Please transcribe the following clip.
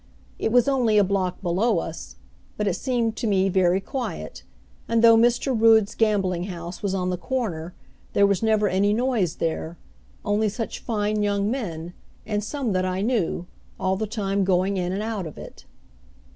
It was only a block below us, but it seemed to me very quiet, and though Mr. Rood's gambling house was on the corner there was never any noise there, only such fine young men, and some that I knew, all the time going in and out of it.